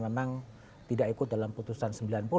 memang tidak ikut dalam putusan